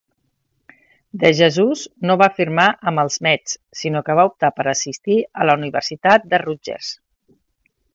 DeJesus no va firmar amb els Mets, sinó que va optar per assistir a la Universitat de Rutgers.